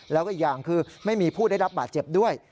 แล้วก็อีกอย่างคือไม่มีผู้ได้รับบาดเจ็บด้วย